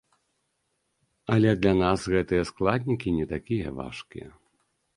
Але для нас гэтыя складнікі не такія важкія.